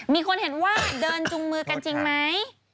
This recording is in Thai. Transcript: มีคนเห็นว่าเดินจุงมือกันจริงไหม